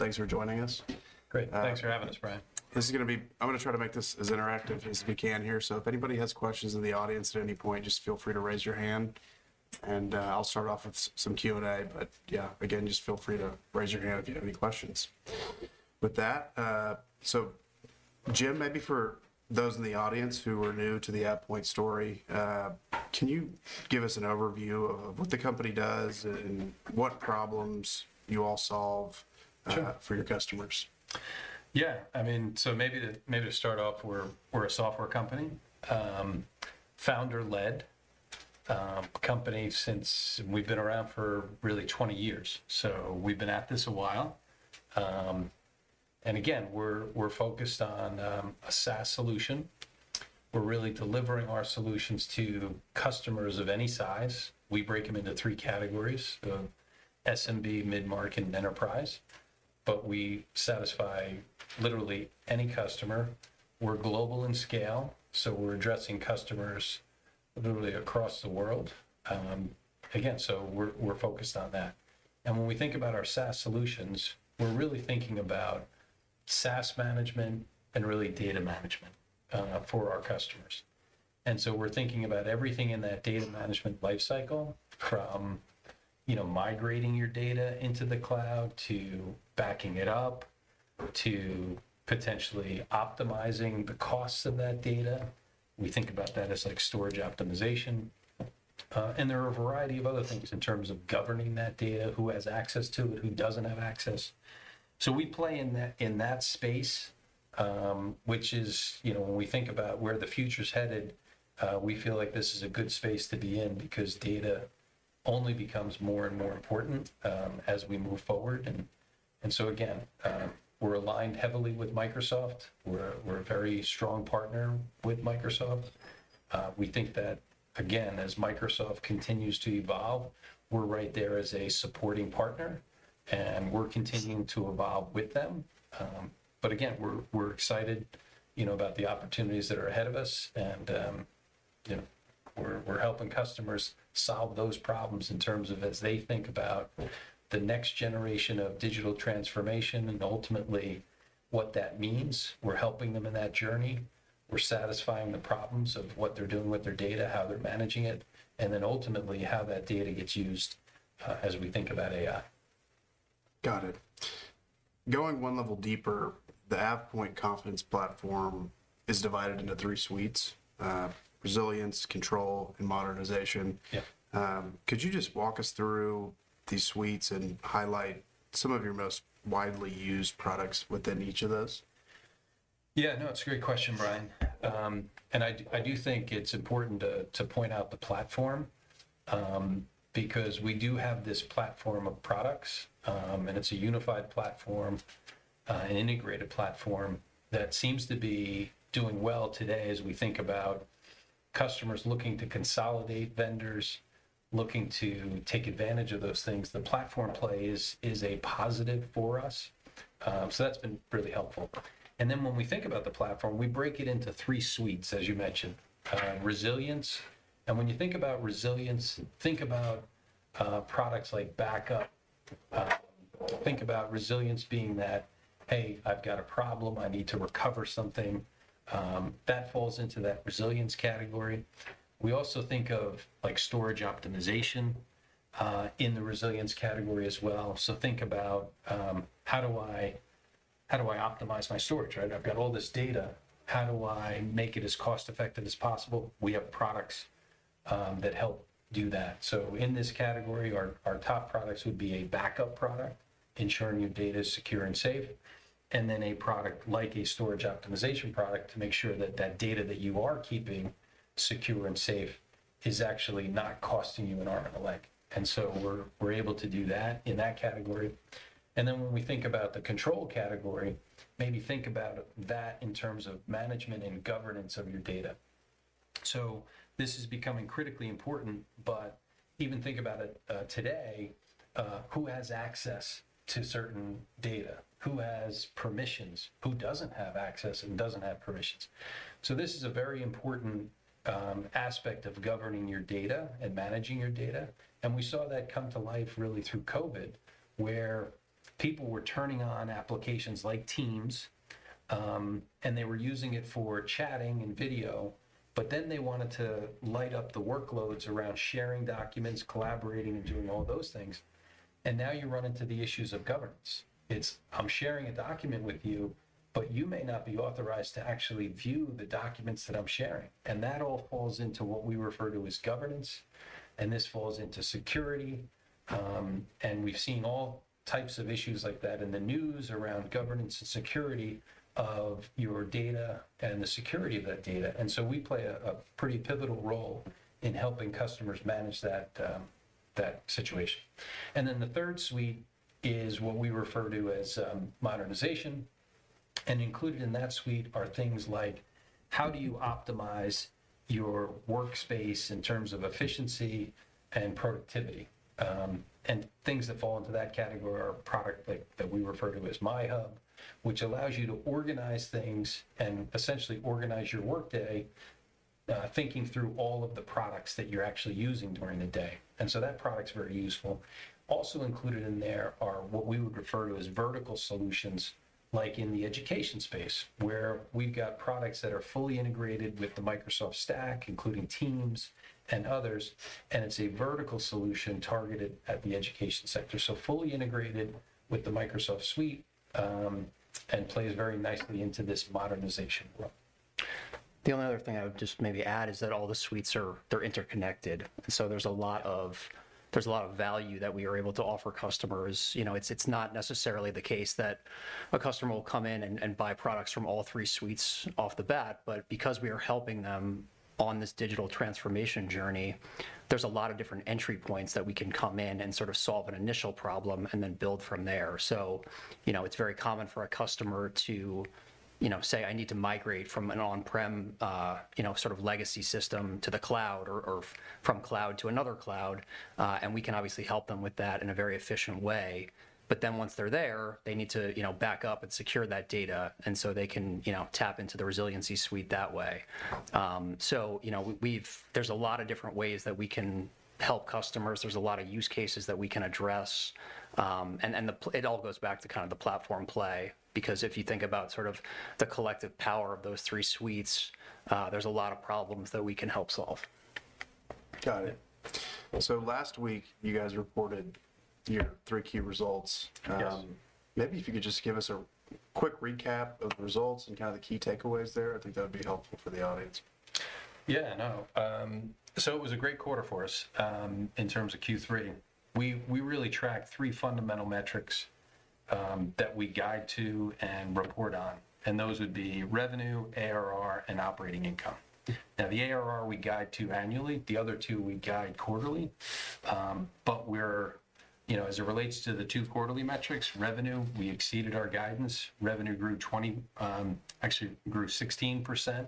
Thanks for joining us. Great. Thanks for having us, Brian. This is gonna be-- I'm going to try to make this as interactive as we can here. So if anybody has questions in the audience at any point, just feel free to raise your hand, and I'll start off with some Q&A. But yeah, again, just feel free to raise your hand if you have any questions. With that, so Jim, maybe for those in the audience who are new to the AvePoint story, can you give us an overview of what the company does and what problems you all solve- Sure... for your customers? Yeah, I mean, so maybe to start off, we're a software company, founder-led company since we've been around for really 20 years. So we've been at this a while. And again, we're focused on a SaaS solution. We're really delivering our solutions to customers of any size. We break them into three categories, the SMB, mid-market, and enterprise, but we satisfy literally any customer. We're global in scale, so we're addressing customers literally across the world. Again, so we're focused on that. And when we think about our SaaS solutions, we're really thinking about SaaS management and really data management for our customers. And so we're thinking about everything in that data management lifecycle from, you know, migrating your data into the cloud, to backing it up, to potentially optimizing the costs of that data. We think about that as, like, storage optimization. And there are a variety of other things in terms of governing that data, who has access to it, who doesn't have access. So we play in that, in that space, which is, you know, when we think about where the future's headed, we feel like this is a good space to be in because data only becomes more and more important as we move forward. And so again, we're aligned heavily with Microsoft. We're a very strong partner with Microsoft. We think that, again, as Microsoft continues to evolve, we're right there as a supporting partner, and we're continuing to evolve with them. But again, we're excited, you know, about the opportunities that are ahead of us, and, you know, we're helping customers solve those problems in terms of as they think about the next generation of digital transformation and ultimately what that means. We're helping them in that journey. We're satisfying the problems of what they're doing with their data, how they're managing it, and then ultimately how that data gets used, as we think about AI. Got it. Going one level deeper, the AvePoint Confidence Platform is divided into three suites: Resilience, Control, and Modernization. Yeah. Could you just walk us through these suites and highlight some of your most widely used products within each of those? Yeah, no, it's a great question, Brian. And I do think it's important to point out the platform, because we do have this platform of products, and it's a unified platform, an integrated platform, that seems to be doing well today as we think about customers looking to consolidate vendors, looking to take advantage of those things. The platform play is a positive for us. So that's been really helpful. And then when we think about the platform, we break it into three suites, as you mentioned. Resilience, and when you think about Resilience, think about products like backup. Think about Resilience being that, "Hey, I've got a problem, I need to recover something," that falls into that Resilience category. We also think of, like, storage optimization in the Resilience category as well. So think about, "How do I optimize my storage, right? I've got all this data. How do I make it as cost-effective as possible?" We have products that help do that. So in this category, our top products would be a backup product, ensuring your data is secure and safe, and then a product, like a storage optimization product, to make sure that that data that you are keeping secure and safe is actually not costing you an arm and a leg. And so we're able to do that in that category. And then when we think about the control category, maybe think about that in terms of management and governance of your data. So this is becoming critically important, but even think about it, today, who has access to certain data? Who has permissions? Who doesn't have access and doesn't have permissions? So this is a very important aspect of governing your data and managing your data, and we saw that come to life really through COVID, where people were turning on applications like Teams, and they were using it for chatting and video, but then they wanted to light up the workloads around sharing documents, collaborating, and doing all those things, and now you run into the issues of governance. It's, I'm sharing a document with you, but you may not be authorized to actually view the documents that I'm sharing, and that all falls into what we refer to as governance, and this falls into security. and we've seen all types of issues like that in the news around governance and security of your data and the security of that data, and so we play a pretty pivotal role in helping customers manage that situation. And then the third suite is what we refer to as Modernization, and included in that suite are things like, how do you optimize your workspace in terms of efficiency and productivity? And things that fall into that category are a product that we refer to as MyHub which allows you to organize things and essentially organize your workday, thinking through all of the products that you're actually using during the day. And so that product's very useful. Also included in there are what we would refer to as vertical solutions, like in the education space, where we've got products that are fully integrated with the Microsoft stack, including Teams and others, and it's a vertical solution targeted at the education sector. So fully integrated with the Microsoft suite, and plays very nicely into this Modernization role. The only other thing I would just maybe add is that all the suites are, they're interconnected, so there's a lot of, there's a lot of value that we are able to offer customers. You know, it's, it's not necessarily the case that a customer will come in and, and buy products from all three suites off the bat, but because we are helping them on this digital transformation journey, there's a lot of different entry points that we can come in and sort of solve an initial problem and then build from there. So, you know, it's very common for a customer to, you know, say, "I need to migrate from an on-prem, you know, sort of legacy system to the cloud or from cloud to another cloud," and we can obviously help them with that in a very efficient way. But then once they're there, they need to, you know, back up and secure that data, and so they can, you know, tap into the Resilience Suite that way. So, you know, we've. There's a lot of different ways that we can help customers. There's a lot of use cases that we can address, and it all goes back to kind of the platform play, because if you think about sort of the collective power of those three suites, there's a lot of problems that we can help solve. Got it. Last week, you guys reported your three key results. Yes. Maybe if you could just give us a quick recap of the results and kind of the key takeaways there, I think that would be helpful for the audience. Yeah, no. So it was a great quarter for us in terms of Q3. We really tracked three fundamental metrics that we guide to and report on, and those would be revenue, ARR, and operating income. Yeah. Now, the ARR, we guide to annually, the other two we guide quarterly. But we're... You know, as it relates to the two quarterly metrics, revenue, we exceeded our guidance. Revenue grew, actually, 16%,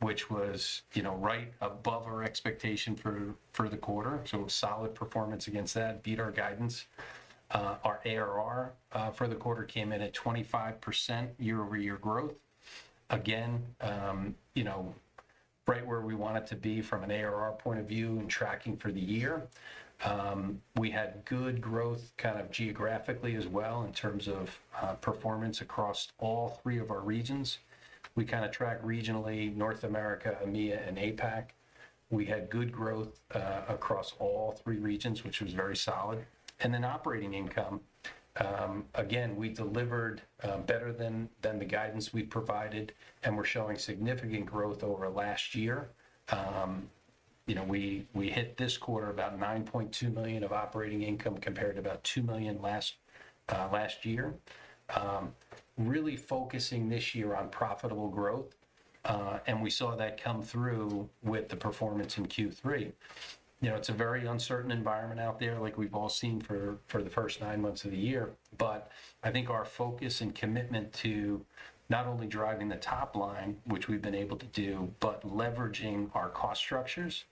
which was, you know, right above our expectation for the quarter, so a solid performance against that, beat our guidance. Our ARR for the quarter came in at 25% year-over-year growth. Again, you know, right where we want it to be from an ARR point of view and tracking for the year. We had good growth kind of geographically as well, in terms of performance across all three of our regions. We kinda track regionally, North America, EMEA, and APAC. We had good growth across all three regions, which was very solid. Then operating income, again, we delivered better than the guidance we provided, and we're showing significant growth over last year. You know, we hit this quarter about $9.2 million of operating income, compared to about $2 million last year. Really focusing this year on profitable growth, and we saw that come through with the performance in Q3. You know, it's a very uncertain environment out there, like we've all seen for the first nine months of the year, but I think our focus and commitment to not only driving the top line, which we've been able to do, but leveraging our cost structures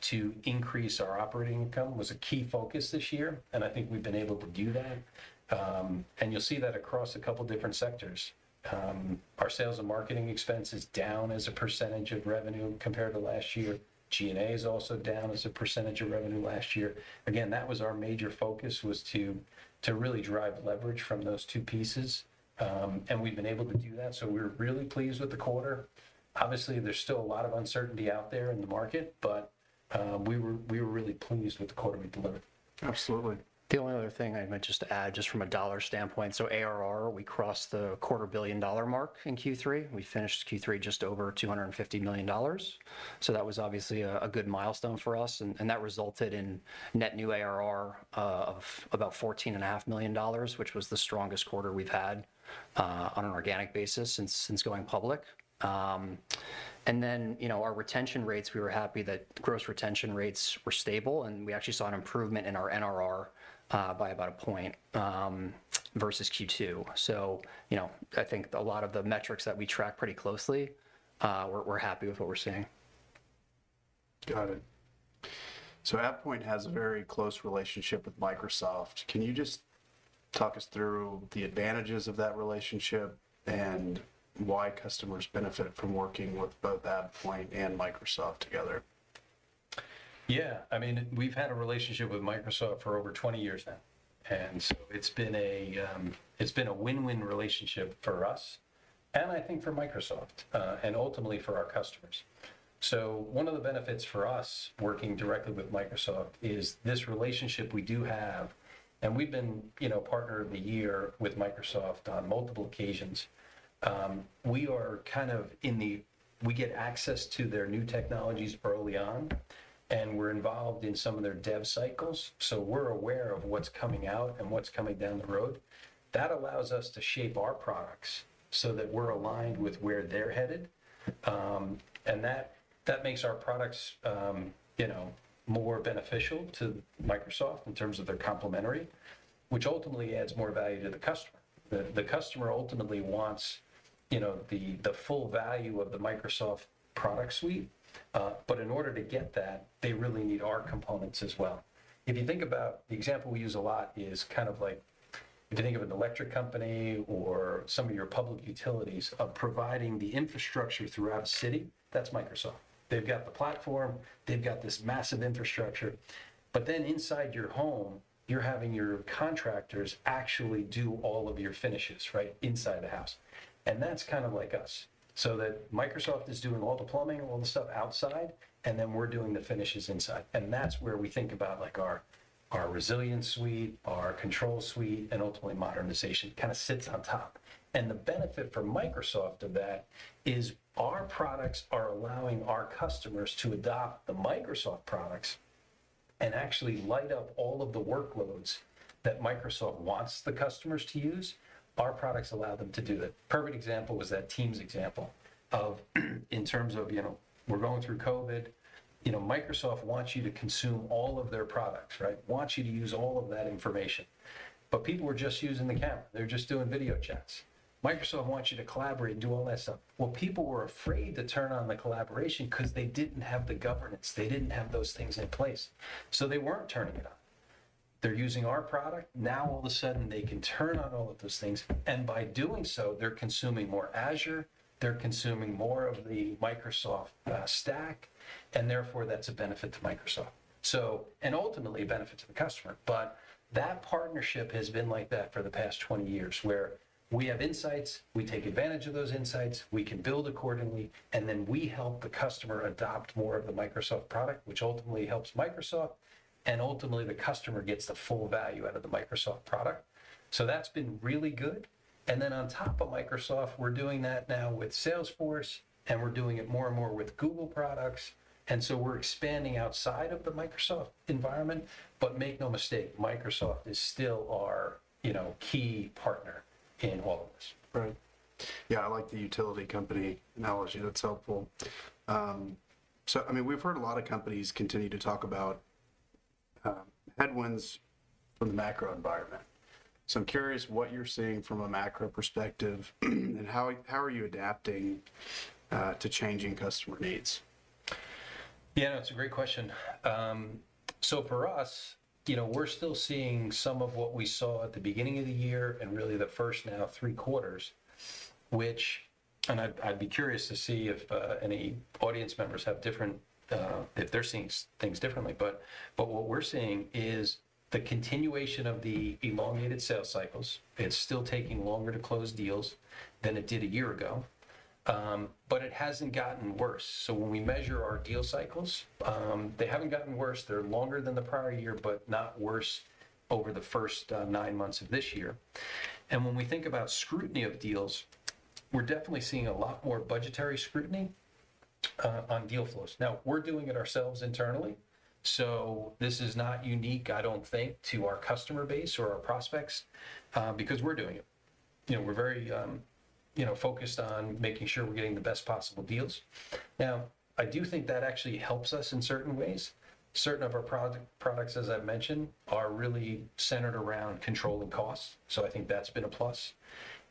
to increase our operating income, was a key focus this year, and I think we've been able to do that. You'll see that across a couple different sectors. Our sales and marketing expense is down as a percentage of revenue compared to last year. G&A is also down as a percentage of revenue last year. Again, that was our major focus, was to really drive leverage from those two pieces, and we've been able to do that. So we're really pleased with the quarter. Obviously, there's still a lot of uncertainty out there in the market, but we were really pleased with the quarter we delivered. Absolutely. The only other thing I might just add, just from a dollar standpoint, so ARR, we crossed the $250 million mark in Q3. We finished Q3 just over $250 million, so that was obviously a good milestone for us. And that resulted in net new ARR of about $14.5 million, which was the strongest quarter we've had on an organic basis since going public. And then, you know, our retention rates, we were happy that gross retention rates were stable, and we actually saw an improvement in our NRR by about a point versus Q2. So, you know, I think a lot of the metrics that we track pretty closely, we're happy with what we're seeing. Got it. So AvePoint has a very close relationship with Microsoft. Can you just talk us through the advantages of that relationship and why customers benefit from working with both AvePoint and Microsoft together? Yeah. I mean, we've had a relationship with Microsoft for over 20 years now, and so it's been a, it's been a win-win relationship for us, and I think for Microsoft, and ultimately for our customers. So one of the benefits for us, working directly with Microsoft, is this relationship we do have, and we've been, you know, Partner of the Year with Microsoft on multiple occasions. We are kind of in the—we get access to their new technologies early on, and we're involved in some of their dev cycles, so we're aware of what's coming out and what's coming down the road. That allows us to shape our products so that we're aligned with where they're headed. And that, that makes our products, you know, more beneficial to Microsoft in terms of they're complementary, which ultimately adds more value to the customer. The customer ultimately wants—you know, the full value of the Microsoft product suite, but in order to get that, they really need our components as well. If you think about the example we use a lot is kind of like if you think of an electric company or some of your public utilities of providing the infrastructure throughout a city, that's Microsoft. They've got the platform, they've got this massive infrastructure, but then inside your home, you're having your contractors actually do all of your finishes, right? Inside the house. And that's kind of like us. So that Microsoft is doing all the plumbing and all the stuff outside, and then we're doing the finishes inside, and that's where we think about, like, our Resilience Suite, our Control Suite, and ultimately Modernization kinda sits on top. The benefit for Microsoft of that is our products are allowing our customers to adopt the Microsoft products and actually light up all of the workloads that Microsoft wants the customers to use. Our products allow them to do that. Perfect example was that Teams example of, in terms of, you know, we're going through COVID. You know, Microsoft wants you to consume all of their products, right? Wants you to use all of that information. But people were just using the camera. They're just doing video chats. Microsoft wants you to collaborate and do all that stuff. Well, people were afraid to turn on the collaboration 'cause they didn't have the governance, they didn't have those things in place, so they weren't turning it on. They're using our product. Now, all of a sudden, they can turn on all of those things, and by doing so, they're consuming more Azure, they're consuming more of the Microsoft stack, and therefore, that's a benefit to Microsoft. So, and ultimately, a benefit to the customer, but that partnership has been like that for the past 20 years, where we have insights, we take advantage of those insights, we can build accordingly, and then we help the customer adopt more of the Microsoft product, which ultimately helps Microsoft, and ultimately, the customer gets the full value out of the Microsoft product. So that's been really good. And then on top of Microsoft, we're doing that now with Salesforce, and we're doing it more and more with Google products, and so we're expanding outside of the Microsoft environment, but make no mistake, Microsoft is still our, you know, key partner in all of this. Right. Yeah, I like the utility company analogy. That's helpful. So I mean, we've heard a lot of companies continue to talk about headwinds from the macro environment. So I'm curious what you're seeing from a macro perspective, and how are you adapting to changing customer needs? Yeah, no, it's a great question. So for us, you know, we're still seeing some of what we saw at the beginning of the year and really the first now three quarters, which... I'd be curious to see if any audience members have different if they're seeing things differently. What we're seeing is the continuation of the elongated sales cycles. It's still taking longer to close deals than it did a year ago, but it hasn't gotten worse. When we measure our deal cycles, they haven't gotten worse. They're longer than the prior year, but not worse over the first nine months of this year. When we think about scrutiny of deals, we're definitely seeing a lot more budgetary scrutiny on deal flows. Now, we're doing it ourselves internally, so this is not unique, I don't think, to our customer base or our prospects, because we're doing it. You know, we're very, you know, focused on making sure we're getting the best possible deals. Now, I do think that actually helps us in certain ways. Certain of our products, as I've mentioned, are really centered around controlling costs, so I think that's been a plus.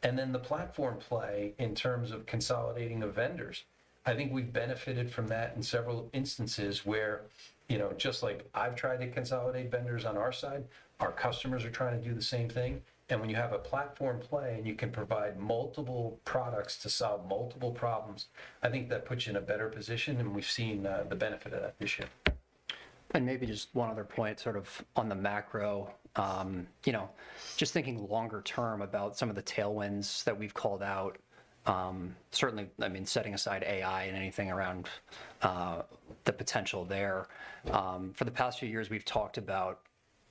And then the platform play in terms of consolidating the vendors, I think we've benefited from that in several instances, where, you know, just like I've tried to consolidate vendors on our side, our customers are trying to do the same thing. When you have a platform play, and you can provide multiple products to solve multiple problems, I think that puts you in a better position, and we've seen the benefit of that this year. Maybe just one other point, sort of on the macro. You know, just thinking longer term about some of the tailwinds that we've called out, certainly, I mean, setting aside AI and anything around the potential there, for the past few years, we've talked about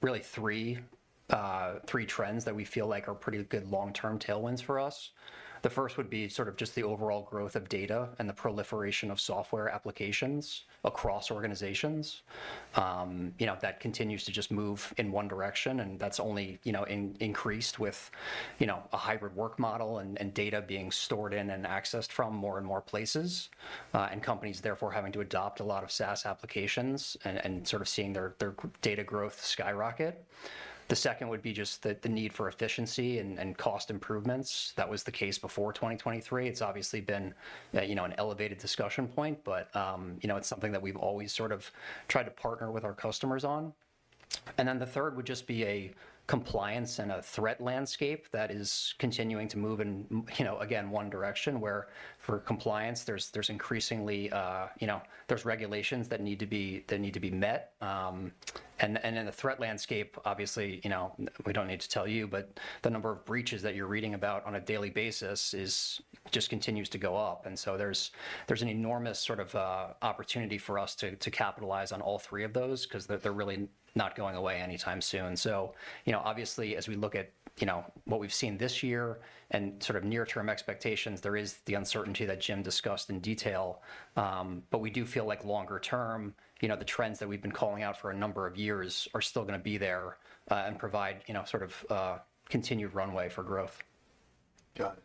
really three trends that we feel like are pretty good long-term tailwinds for us. The first would be sort of just the overall growth of data and the proliferation of software applications across organizations. You know, that continues to just move in one direction, and that's only, you know, increased with, you know, a hybrid work model and data being stored in and accessed from more and more places, and companies therefore having to adopt a lot of SaaS applications and sort of seeing their data growth skyrocket. The second would be just the need for efficiency and cost improvements. That was the case before 2023. It's obviously been, you know, an elevated discussion point, but, you know, it's something that we've always sort of tried to partner with our customers on. And then the third would just be a compliance and a threat landscape that is continuing to move in, you know, again, one direction, where for compliance, there's increasingly, you know, there's regulations that need to be met. And in the threat landscape, obviously, you know, we don't need to tell you, but the number of breaches that you're reading about on a daily basis just continues to go up. And so there's an enormous sort of opportunity for us to capitalize on all three of those 'cause they're really not going away anytime soon. So, you know, obviously, as we look at, you know, what we've seen this year and sort of near-term expectations, there is the uncertainty that Jim discussed in detail, but we do feel like longer term, you know, the trends that we've been calling out for a number of years are still gonna be there, and provide, you know, sort of continued runway for growth. Got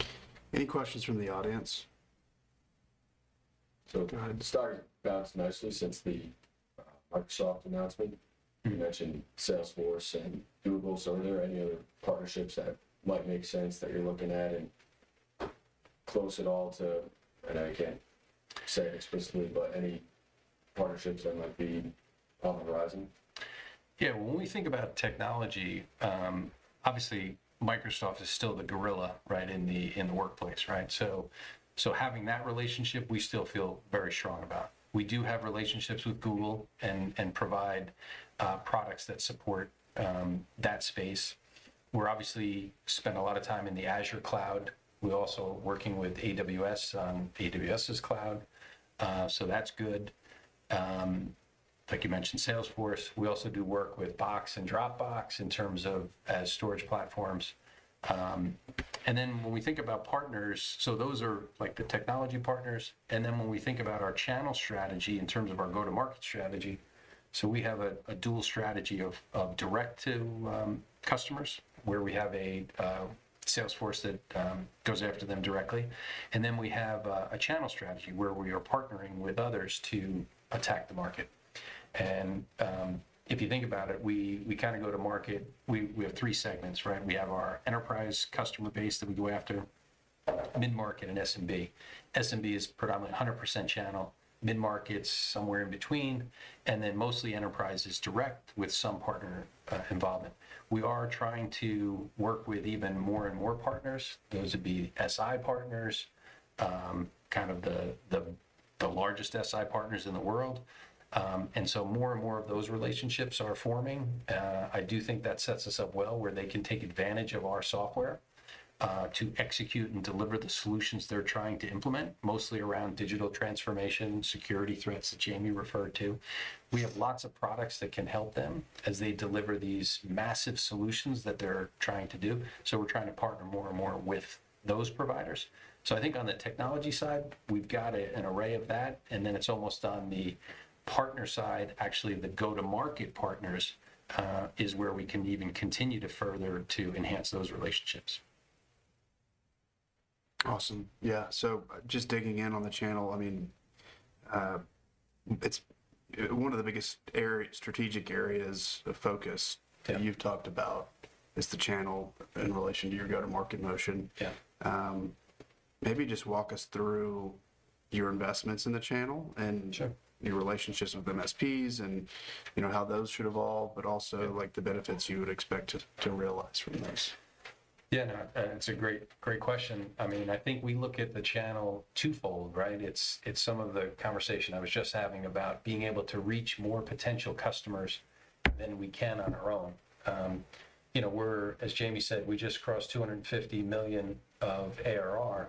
it. Any questions from the audience? So the stock bounced nicely since the Microsoft announcement. Mm-hmm. You mentioned Salesforce and Google. So are there any other partnerships that might make sense that you're looking at and close at all to...? And I can't say it explicitly, but any partnerships that might be on the horizon? Yeah. When we think about technology, obviously, Microsoft is still the gorilla, right, in the workplace, right? So, so having that relationship, we still feel very strong about. We do have relationships with Google and provide products that support that space. We obviously spend a lot of time in the Azure cloud. We're also working with AWS, AWS's cloud, so that's good. Like you mentioned, Salesforce, we also do work with Box and Dropbox in terms of as storage platforms. And then when we think about partners, so those are like the technology partners, and then when we think about our channel strategy in terms of our go-to-market strategy, so we have a dual strategy of direct to customers, where we have a sales force that goes after them directly. And then we have a channel strategy where we are partnering with others to attack the market. If you think about it, we kinda go to market. We have three segments, right? We have our enterprise customer base that we go after, mid-market, and SMB. SMB is predominantly 100% channel, mid-market's somewhere in between, and then mostly enterprise is direct, with some partner involvement. We are trying to work with even more and more partners. Those would be SI partners, kind of the largest SI partners in the world. And so more and more of those relationships are forming. I do think that sets us up well, where they can take advantage of our software to execute and deliver the solutions they're trying to implement, mostly around digital transformation, security threats that Jamie referred to. We have lots of products that can help them as they deliver these massive solutions that they're trying to do, so we're trying to partner more and more with those providers. So I think on the technology side, we've got an array of that, and then it's almost on the partner side, actually, the go-to-market partners is where we can even continue to further to enhance those relationships. Awesome. Yeah, so just digging in on the channel, I mean, it's one of the biggest strategic areas of focus. Yeah... that you've talked about is the channel in relation to your go-to-market motion. Yeah. Maybe just walk us through your investments in the channel, and- Sure... your relationships with MSPs, and, you know, how those should evolve, but also- Yeah... like, the benefits you would expect to realize from this. Yeah, no, it's a great, great question. I mean, I think we look at the channel twofold, right? It's some of the conversation I was just having about being able to reach more potential customers than we can on our own. You know, we're as Jamie said, we just crossed $250 million of ARR,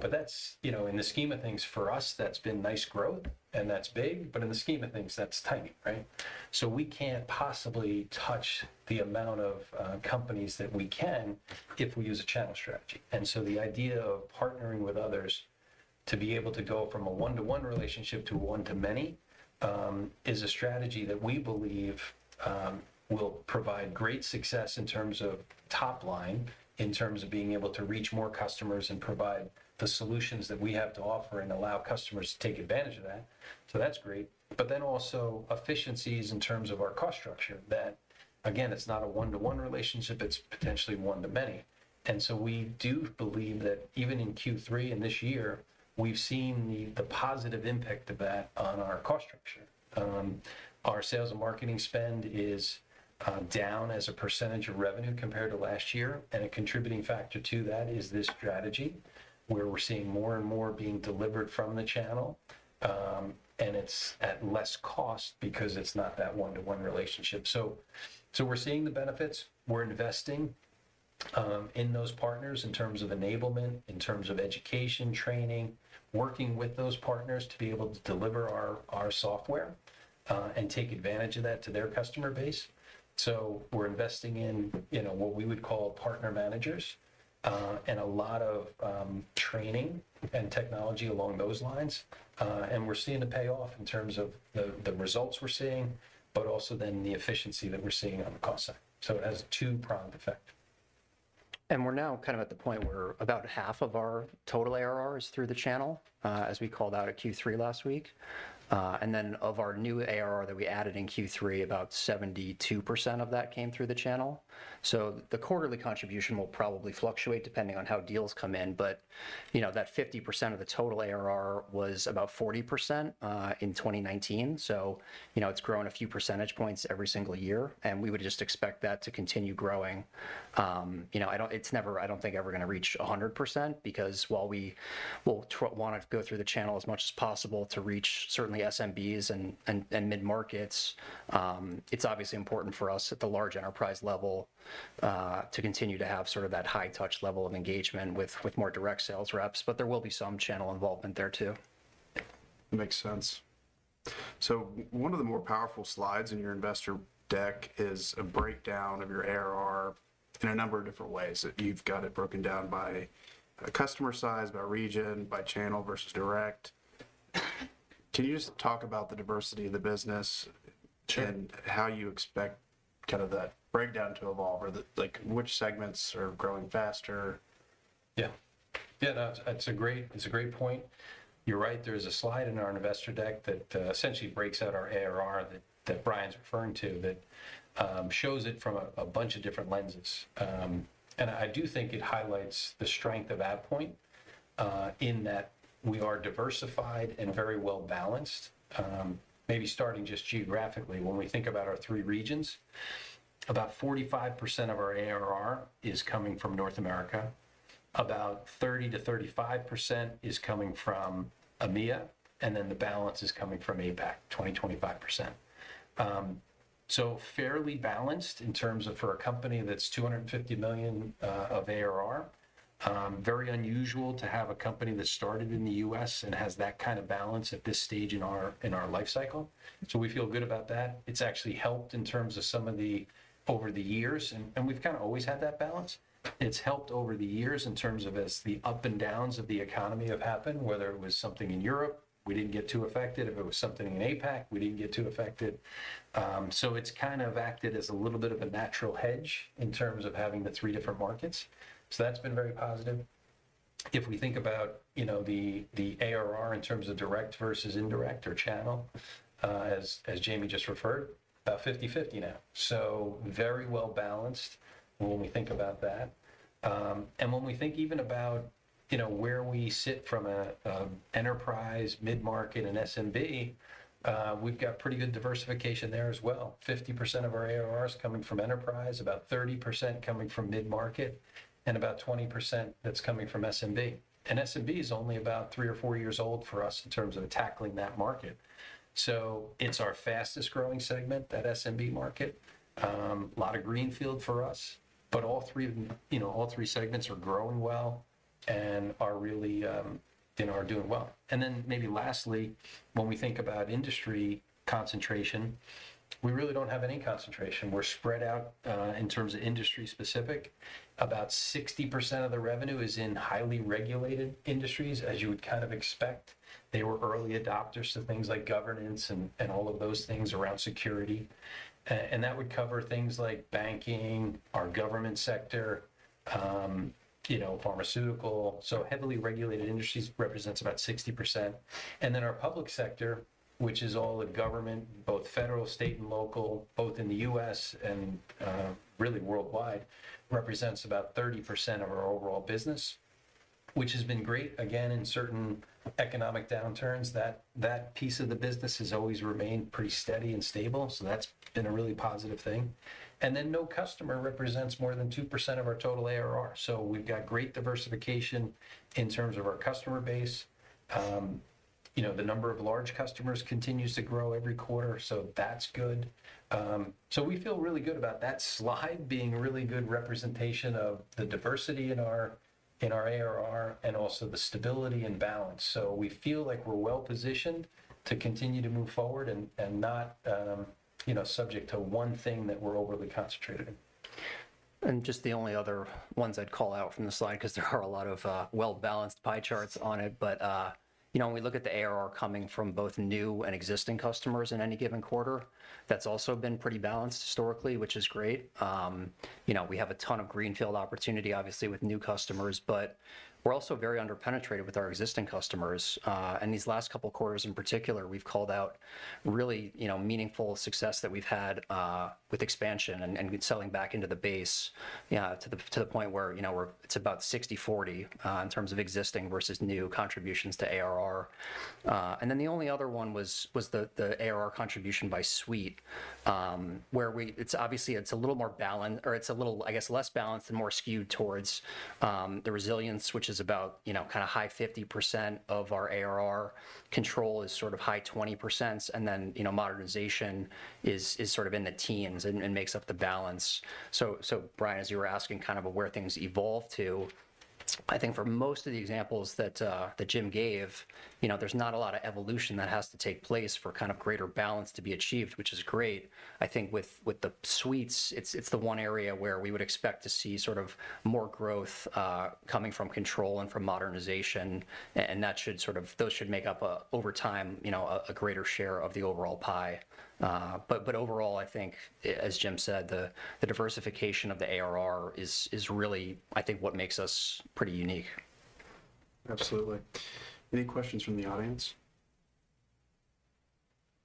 but that's, you know, in the scheme of things, for us, that's been nice growth, and that's big, but in the scheme of things, that's tiny, right? So we can't possibly touch the amount of companies that we can if we use a channel strategy. And so the idea of partnering with others to be able to go from a one-to-one relationship to a one-to-many is a strategy that we believe will provide great success in terms of top line, in terms of being able to reach more customers and provide the solutions that we have to offer and allow customers to take advantage of that, so that's great. But then also efficiencies in terms of our cost structure, that, again, it's not a one-to-one relationship, it's potentially one to many. And so we do believe that even in Q3 and this year, we've seen the positive impact of that on our cost structure. Our sales and marketing spend is down as a percentage of revenue compared to last year, and a contributing factor to that is this strategy, where we're seeing more and more being delivered from the channel, and it's at less cost because it's not that one-to-one relationship. So, we're seeing the benefits. We're investing in those partners in terms of enablement, in terms of education, training, working with those partners to be able to deliver our software, and take advantage of that to their customer base. So we're investing in, you know, what we would call partner managers, and a lot of training and technology along those lines, and we're seeing the payoff in terms of the results we're seeing, but also then the efficiency that we're seeing on the cost side, so it has a two-pronged effect. We're now kind of at the point where about 50% of our total ARR is through the channel, as we called out at Q3 last week. And then of our new ARR that we added in Q3, about 72% of that came through the channel. So the quarterly contribution will probably fluctuate depending on how deals come in, but, you know, that 50% of the total ARR was about 40% in 2019. So, you know, it's grown a few percentage points every single year, and we would just expect that to continue growing. You know, I don't think it's ever gonna reach 100%, because while we will wanna go through the channel as much as possible to reach certainly SMBs and mid-markets, it's obviously important for us at the large enterprise level to continue to have sort of that high touch level of engagement with more direct sales reps, but there will be some channel involvement there, too. Makes sense. So one of the more powerful slides in your investor deck is a breakdown of your ARR in a number of different ways, that you've got it broken down by, customer size, by region, by channel versus direct.... Can you just talk about the diversity of the business? Sure. and how you expect kind of that breakdown to evolve, or the, like, which segments are growing faster? Yeah. Yeah, that's a great, it's a great point. You're right, there is a slide in our investor deck that essentially breaks out our ARR that Brian's referring to, that shows it from a bunch of different lenses. I do think it highlights the strength of AvePoint in that we are diversified and very well-balanced. Maybe starting just geographically, when we think about our three regions, about 45% of our ARR is coming from North America, about 30% to 35% is coming from EMEA, and then the balance is coming from APAC, 20% to 25%. Fairly balanced in terms of for a company that's $250 million of ARR. Very unusual to have a company that started in the U.S. and has that kind of balance at this stage in our life cycle. So we feel good about that. It's actually helped in terms of some of the... over the years, and we've kinda always had that balance, it's helped over the years in terms of as the ups and downs of the economy have happened, whether it was something in Europe, we didn't get too affected, if it was something in APAC, we didn't get too affected. So it's kind of acted as a little bit of a natural hedge in terms of having the three different markets, so that's been very positive. If we think about, you know, the ARR in terms of direct versus indirect or channel, as Jamie just referred, about 50/50 now. So very well-balanced when we think about that. And when we think even about, you know, where we sit from a enterprise, mid-market, and SMB, we've got pretty good diversification there as well. 50% of our ARR is coming from enterprise, about 30% coming from mid-market, and about 20% that's coming from SMB. And SMB is only about three or four years old for us in terms of tackling that market. So it's our fastest growing segment, that SMB market. A lot of greenfield for us, but all three of them, you know, all three segments are growing well and are really, you know, are doing well. And then maybe lastly, when we think about industry concentration, we really don't have any concentration. We're spread out, in terms of industry specific. About 60% of the revenue is in highly regulated industries, as you would kind of expect. They were early adopters to things like governance and all of those things around security. And that would cover things like banking, our government sector, you know, pharmaceutical. So heavily regulated industries represents about 60%. And then our public sector, which is all the government, both federal, state, and local, both in the U.S. and really worldwide, represents about 30% of our overall business, which has been great. Again, in certain economic downturns, that piece of the business has always remained pretty steady and stable, so that's been a really positive thing. And then, no customer represents more than 2% of our total ARR, so we've got great diversification in terms of our customer base. You know, the number of large customers continues to grow every quarter, so that's good. So we feel really good about that slide being a really good representation of the diversity in our ARR, and also the stability and balance. So we feel like we're well positioned to continue to move forward and not, you know, subject to one thing that we're overly concentrated in. Just the only other ones I'd call out from the slide, 'cause there are a lot of well-balanced pie charts on it, but you know, when we look at the ARR coming from both new and existing customers in any given quarter, that's also been pretty balanced historically, which is great. You know, we have a ton of greenfield opportunity, obviously, with new customers, but we're also very under-penetrated with our existing customers. And these last couple of quarters, in particular, we've called out really, you know, meaningful success that we've had with expansion and with selling back into the base, yeah, to the point where, you know, we're, it's about 60/40 in terms of existing versus new contributions to ARR. And then the only other one was the ARR contribution by suite, where we... It's obviously a little more balanced, or it's a little, I guess, less balanced and more skewed towards the Resilience, which is about, you know, kinda high 50% of our ARR. Control is sort of high 20%, and then, you know, Modernization is sort of in the teens and makes up the balance. So, Brian, as you were asking, kind of where things evolve to, I think for most of the examples that that Jim gave, you know, there's not a lot of evolution that has to take place for kind of greater balance to be achieved, which is great. I think with the suites, it's the one area where we would expect to see sort of more growth, coming from Control and from Modernization, and that should sort of—those should make up a, over time, you know, a greater share of the overall pie. But overall, I think as Jim said, the diversification of the ARR is really, I think, what makes us pretty unique. Absolutely. Any questions from the audience?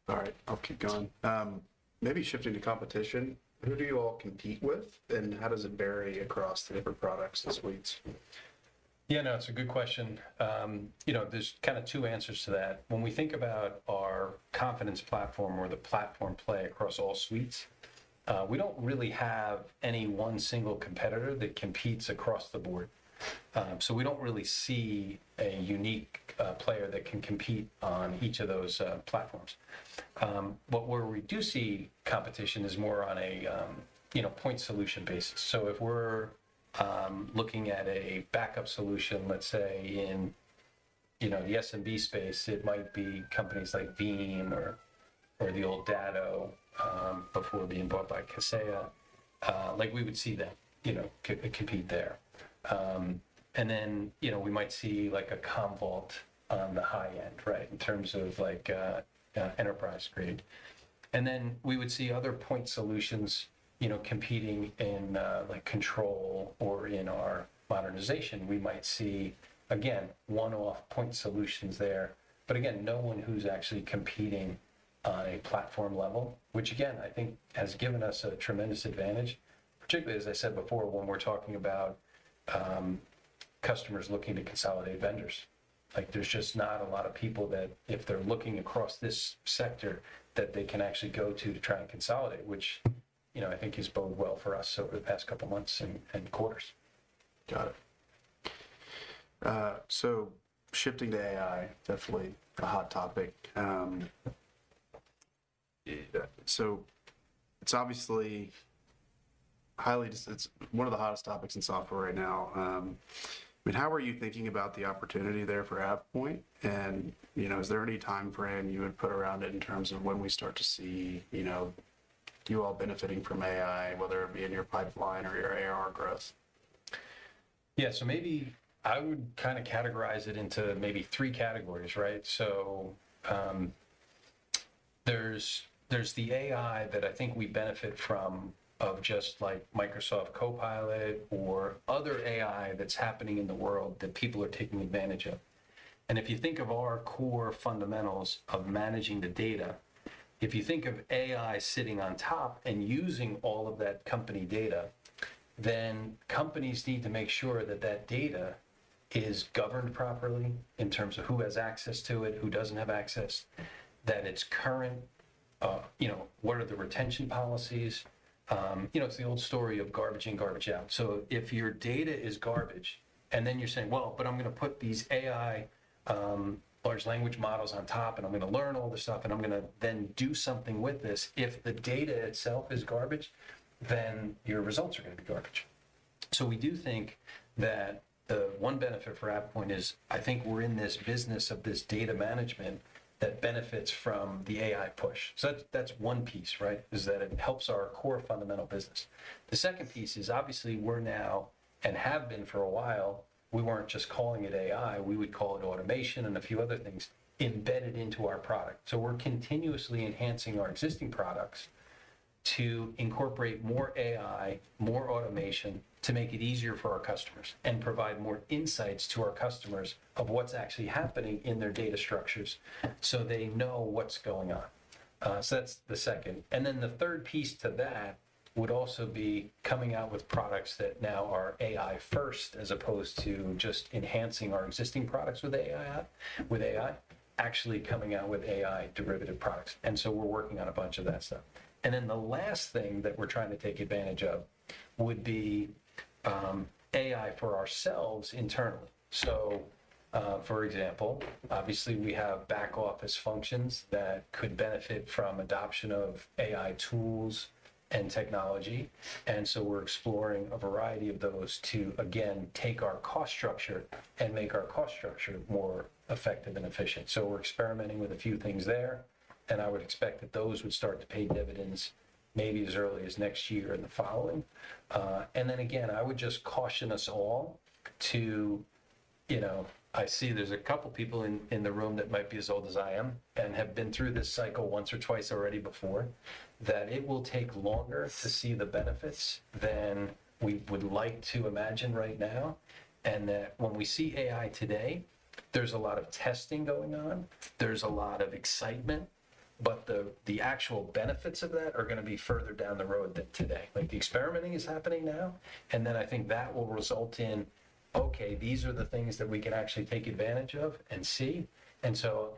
All right, I'll keep going. Maybe shifting to competition, who do you all compete with, and how does it vary across the different products and suites? Yeah, no, it's a good question. You know, there's kinda two answers to that. When we think about our Confidence Platform or the platform play across all suites, we don't really have any one single competitor that competes across the board. So we don't really see a unique player that can compete on each of those platforms. But where we do see competition is more on a point solution basis. So if we're looking at a backup solution, let's say in the SMB space, it might be companies like Veeam or the old Datto before being bought by Kaseya. Like we would see them co-compete there. And then, you know, we might see like a Commvault on the high end, right? In terms of like enterprise grade. And then we would see other point solutions, you know, competing in, like, control or in our Modernization. We might see, again, one-off point solutions there, but again, no one who's actually competing on a platform level, which again, I think has given us a tremendous advantage, particularly, as I said before, when we're talking about, customers looking to consolidate vendors. Like, there's just not a lot of people that if they're looking across this sector, that they can actually go to to try and consolidate, which, you know, I think has bode well for us over the past couple of months and quarters. Got it. So shifting to AI, definitely a hot topic. So it's obviously one of the hottest topics in software right now. I mean, how are you thinking about the opportunity there for AvePoint? And, you know, is there any timeframe you would put around it in terms of when we start to see, you know, you all benefiting from AI, whether it be in your pipeline or your AR growth? Yeah. So maybe I would kinda categorize it into maybe three categories, right? So, there's the AI that I think we benefit from of just like Microsoft Copilot or other AI that's happening in the world that people are taking advantage of. And if you think of our core fundamentals of managing the data, if you think of AI sitting on top and using all of that company data, then companies need to make sure that that data is governed properly in terms of who has access to it, who doesn't have access, that it's current, you know, what are the retention policies? You know, it's the old story of garbage in, garbage out. So if your data is garbage, and then you're saying, "Well, but I'm gonna put these AI, large language models on top, and I'm gonna learn all this stuff, and I'm gonna then do something with this." If the data itself is garbage, then your results are gonna be garbage. So we do think that the one benefit for AvePoint is, I think we're in this business of this data management that benefits from the AI push. So that's, that's one piece, right? Is that it helps our core fundamental business. The second piece is obviously we're now, and have been for a while, we weren't just calling it AI, we would call it automation and a few other things embedded into our product. So we're continuously enhancing our existing products to incorporate more AI, more automation, to make it easier for our customers, and provide more insights to our customers of what's actually happening in their data structures, so they know what's going on. So that's the second. And then the third piece to that would also be coming out with products that now are AI first, as opposed to just enhancing our existing products with AI, actually coming out with AI derivative products, and so we're working on a bunch of that stuff. And then the last thing that we're trying to take advantage of would be AI for ourselves internally. So, for example, obviously, we have back office functions that could benefit from adoption of AI tools and technology, and so we're exploring a variety of those to, again, take our cost structure and make our cost structure more effective and efficient. So we're experimenting with a few things there, and I would expect that those would start to pay dividends maybe as early as next year or the following. And then again, I would just caution us all to, you know, I see there's a couple people in the room that might be as old as I am and have been through this cycle once or twice already before, that it will take longer to see the benefits than we would like to imagine right now, and that when we see AI today, there's a lot of testing going on, there's a lot of excitement, but the actual benefits of that are gonna be further down the road than today. Like, the experimenting is happening now, and then I think that will result in, "Okay, these are the things that we can actually take advantage of and see." And so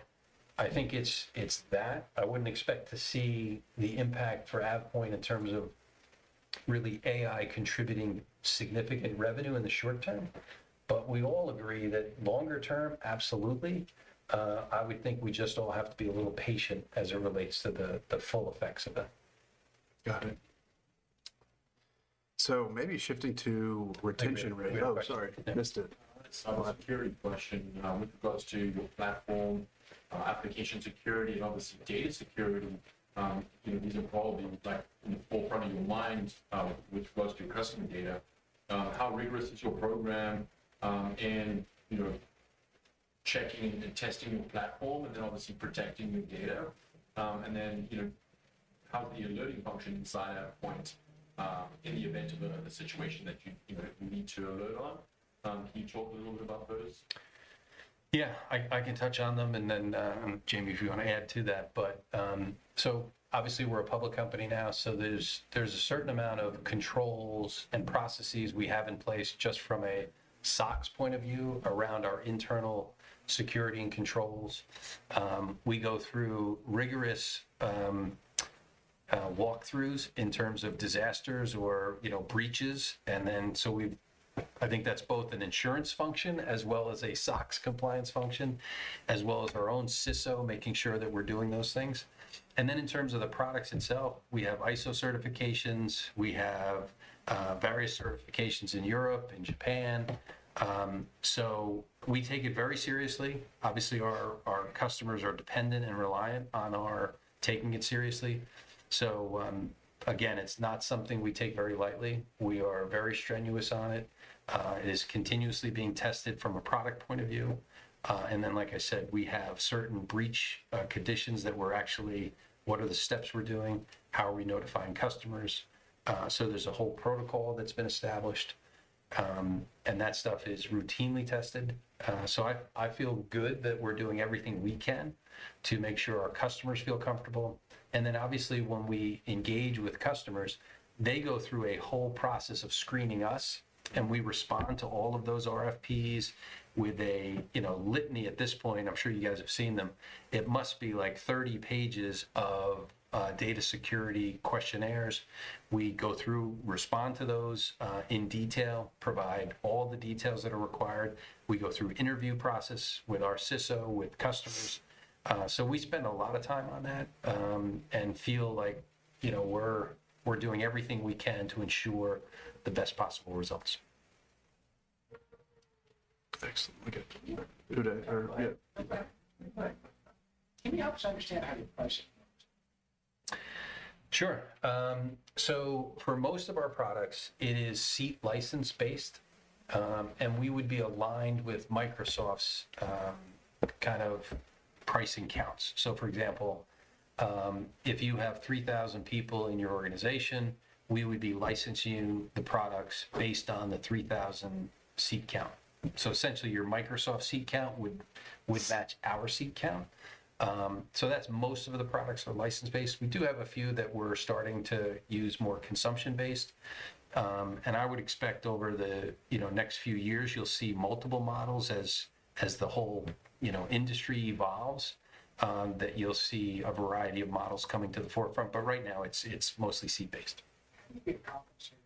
I think it's that. I wouldn't expect to see the impact for AvePoint in terms of really AI contributing significant revenue in the short term, but we all agree that longer term, absolutely. I would think we just all have to be a little patient as it relates to the full effects of that. Got it. So maybe shifting to retention rate- I have a question. Oh, sorry, missed it. A security question, with regards to your platform, application security, and obviously, data security, you know, these are probably, like, in the forefront of your mind, with regards to customer data. How rigorous is your program, in you know checking and testing your platform, and then obviously protecting your data? And then, you know, how is the alerting function inside AvePoint, in the event of a situation that you know you need to alert on? Can you talk a little bit about those? Yeah, I can touch on them, and then, Jamie, if you wanna add to that. But, so obviously, we're a public company now, so there's a certain amount of controls and processes we have in place just from a SOX point of view around our internal security and controls. We go through rigorous walkthroughs in terms of disasters or, you know, breaches, and then, I think that's both an insurance function as well as a SOX compliance function, as well as our own CISO, making sure that we're doing those things. And then in terms of the products itself, we have ISO certifications, we have various certifications in Europe, in Japan. So we take it very seriously. Obviously, our customers are dependent and reliant on our taking it seriously. So, again, it's not something we take very lightly. We are very strenuous on it. It is continuously being tested from a product point of view. And then, like I said, we have certain breach conditions that we're actually, what are the steps we're doing? How are we notifying customers? So there's a whole protocol that's been established, and that stuff is routinely tested. So I feel good that we're doing everything we can to make sure our customers feel comfortable. And then, obviously, when we engage with customers, they go through a whole process of screening us, and we respond to all of those RFPs with a, you know, litany at this point. I'm sure you guys have seen them. It must be, like, 30 pages of data security questionnaires. We go through, respond to those in detail, provide all the details that are required. We go through interview process with our CISO, with customers. So we spend a lot of time on that, and feel like, you know, we're, we're doing everything we can to ensure the best possible results. Excellent. Okay. Yeah. Can you help us understand how you price it? Sure. So for most of our products, it is seat license-based, and we would be aligned with Microsoft's kind of pricing counts. So, for example, if you have 3,000 people in your organization, we would be licensing you the products based on the 3,000 seat count. So essentially, your Microsoft seat count would match our seat count. So that's most of the products are license-based. We do have a few that we're starting to use more consumption-based. And I would expect over the, you know, next few years, you'll see multiple models as the whole, you know, industry evolves, that you'll see a variety of models coming to the forefront. But right now, it's mostly seat-based. Can you get compensation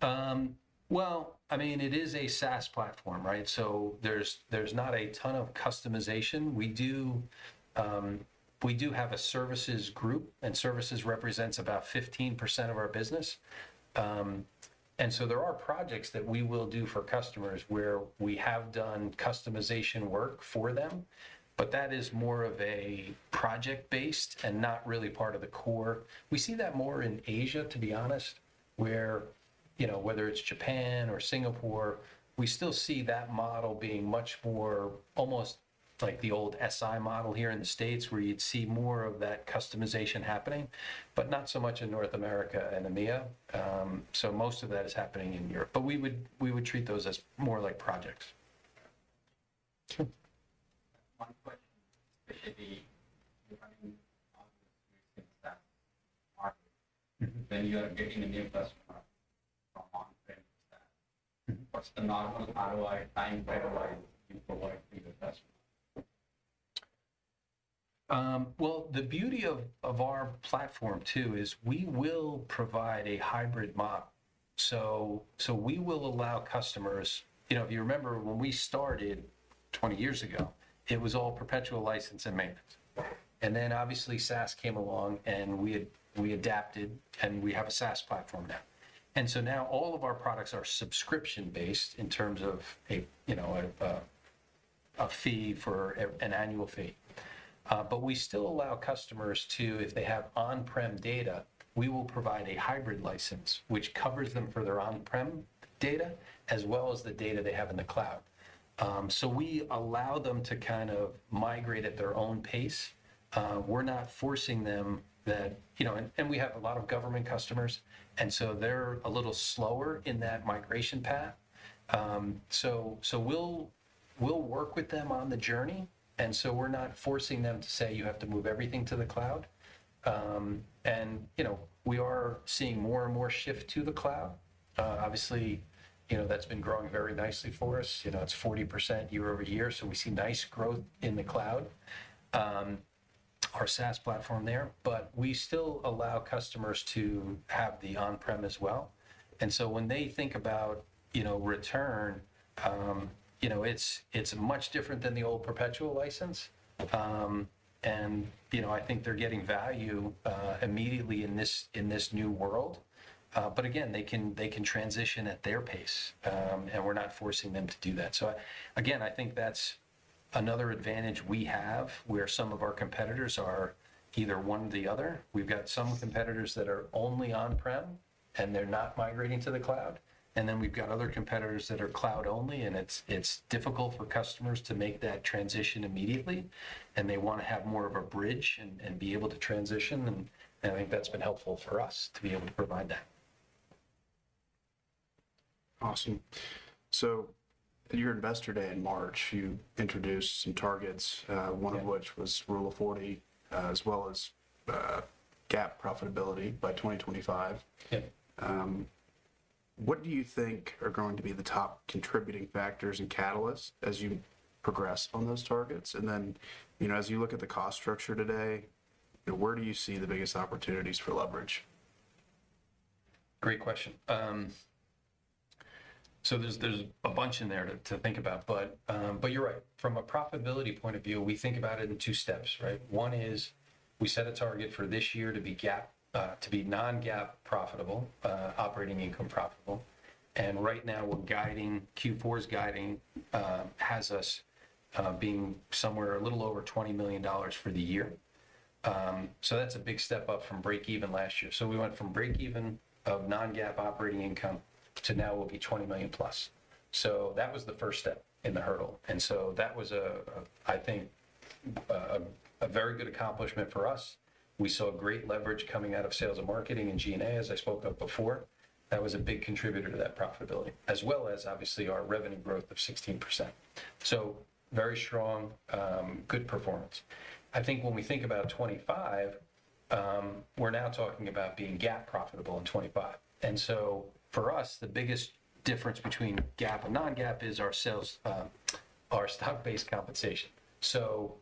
customization? Well, I mean, it is a SaaS platform, right? So there's, there's not a ton of customization. We do, we do have a services group, and services represents about 15% of our business. And so there are projects that we will do for customers, where we have done customization work for them, but that is more of a project-based and not really part of the core. We see that more in Asia, to be honest, where, you know, whether it's Japan or Singapore, we still see that model being much more almost like the old SI model here in the States, where you'd see more of that customization happening, but not so much in North America and EMEA. So most of that is happening in Europe. But we would, we would treat those as more like projects. Sure. One question, specifically, when you are getting a new customer from on-premises, what's the normal ROI time period-wise you provide to the customer? Well, the beauty of our platform, too, is we will provide a hybrid model. So we will allow customers... You know, if you remember, when we started 20 years ago, it was all perpetual license and maintenance. And then, obviously, SaaS came along, and we adapted, and we have a SaaS platform now. And so now all of our products are subscription-based in terms of a, you know, a fee for... an annual fee. But we still allow customers to, if they have on-prem data, we will provide a hybrid license, which covers them for their on-prem data, as well as the data they have in the cloud. So we allow them to kind of migrate at their own pace. We're not forcing them that, you know. And we have a lot of government customers, and so they're a little slower in that migration path. So we'll work with them on the journey, and so we're not forcing them to say, "You have to move everything to the cloud." And you know, we are seeing more and more shift to the cloud. Obviously, you know, that's been growing very nicely for us. You know, it's 40% year-over-year, so we see nice growth in the cloud, our SaaS platform there. But we still allow customers to have the on-prem as well. And so when they think about, you know, return, you know, it's much different than the old perpetual license. And you know, I think they're getting value immediately in this new world. But again, they can transition at their pace, and we're not forcing them to do that. So again, I think that's another advantage we have, where some of our competitors are either one or the other. We've got some competitors that are only on-prem, and they're not migrating to the cloud, and then we've got other competitors that are cloud only, and it's difficult for customers to make that transition immediately. And they wanna have more of a bridge and be able to transition, and I think that's been helpful for us to be able to provide that. Awesome. So at your Investor Day in March, you introduced some targets. Yeah... one of which was Rule of 40, as well as, GAAP profitability by 2025. Yeah. What do you think are going to be the top contributing factors and catalysts as you progress on those targets? And then, you know, as you look at the cost structure today, where do you see the biggest opportunities for leverage? Great question. So there's a bunch in there to think about. But, but you're right. From a profitability point of view, we think about it in two steps, right? One is we set a target for this year to be GAAP, to be non-GAAP profitable, operating income profitable. And right now, we're guiding. Q4 guiding has us being somewhere a little over $20 million for the year. So that's a big step up from break even last year. So we went from break even of non-GAAP operating income to now we'll be $20 million plus. So that was the first step in the hurdle. And so that was, I think, a very good accomplishment for us. We saw great leverage coming out of sales and marketing and G&A, as I spoke of before. That was a big contributor to that profitability, as well as obviously our revenue growth of 16%. So very strong, good performance. I think when we think about 2025, we're now talking about being GAAP profitable in 2025. And so for us, the biggest difference between GAAP and non-GAAP is our sales, our stock-based compensation. So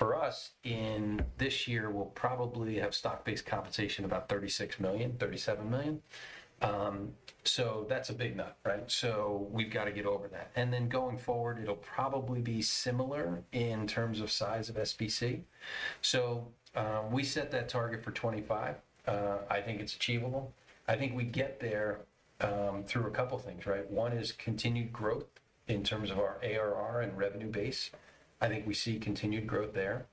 for us, in this year, we'll probably have stock-based compensation about $36 to 37 million. So that's a big nut, right? So we've gotta get over that. And then going forward, it'll probably be similar in terms of size of SBC. So, we set that target for 2025. I think it's achievable. I think we get there, through a couple things, right? One is continued growth in terms of our ARR and revenue base. I think we see continued growth there.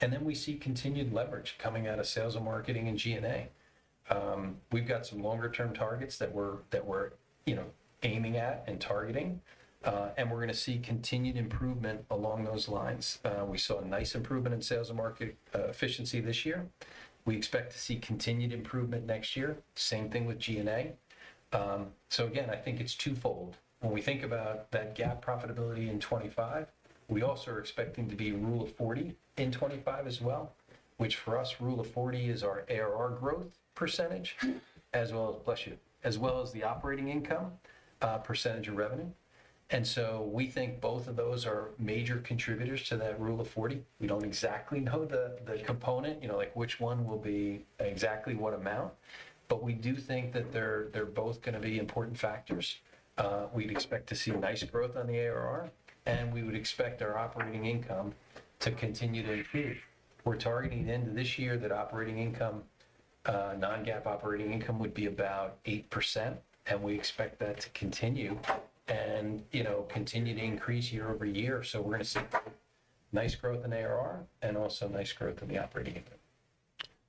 And then we see continued leverage coming out of sales and marketing and G&A. We've got some longer term targets that we're, you know, aiming at and targeting, and we're gonna see continued improvement along those lines. We saw a nice improvement in sales and marketing efficiency this year. We expect to see continued improvement next year. Same thing with G&A. So again, I think it's twofold. When we think about that GAAP profitability in 2025, we also are expecting to be Rule of 40 in 2025 as well, which for us, Rule of 40 is our ARR growth percentage, as well as... Bless you. As well as the operating income percentage of revenue. And so we think both of those are major contributors to that Rule of 40. We don't exactly know the component, you know, like, which one will be exactly what amount, but we do think that they're both gonna be important factors. We'd expect to see nice growth on the ARR, and we would expect our operating income to continue to increase. We're targeting the end of this year, that operating income, non-GAAP operating income, would be about 8%, and we expect that to continue and, you know, continue to increase year-over-year. So we're gonna see nice growth in ARR and also nice growth in the operating income.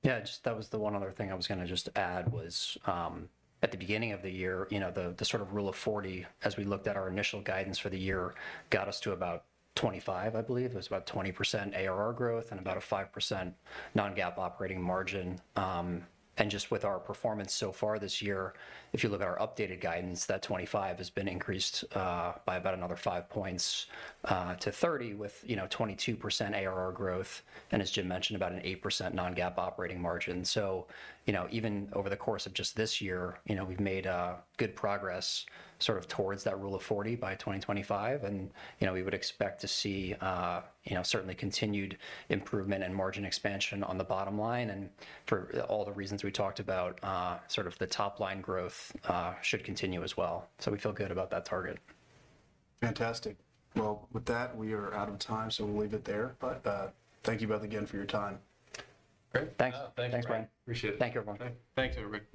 Yeah, just that was the one other thing I was gonna just add was, at the beginning of the year, you know, the sort of Rule of 40, as we looked at our initial guidance for the year, got us to about 25, I believe. It was about 20% ARR growth and about a 5% non-GAAP operating margin. And just with our performance so far this year, if you look at our updated guidance, that 25 has been increased by about another five points to 30 with, you know, 22% ARR growth, and as Jim mentioned, about an 8% non-GAAP operating margin. So, you know, even over the course of just this year, you know, we've made good progress sort of towards that Rule of 40 by 2025. And, you know, we would expect to see, you know, certainly continued improvement and margin expansion on the bottom line. And for all the reasons we talked about, sort of the top-line growth, should continue as well. So we feel good about that target. Fantastic. Well, with that, we are out of time, so we'll leave it there. But, thank you both again for your time. Great. Thanks. Thanks, Brian. Thanks, Brian. Appreciate it. Thank you, everyone. Thanks, everybody.